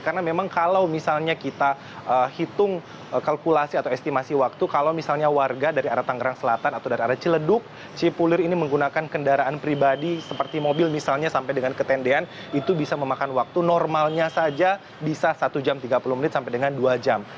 karena memang kalau misalnya kita hitung kalkulasi atau estimasi waktu kalau misalnya warga dari arah tangerang selatan atau dari arah cileduk cipulir ini menggunakan kendaraan pribadi seperti mobil misalnya sampai dengan ketendean itu bisa memakan waktu normalnya saja bisa satu jam tiga puluh menit sampai dengan dua jam